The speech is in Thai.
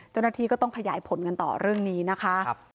เจ้าหน้าที่ก็ต้องขยายผลกันต่อเรื่องนี้นะคะ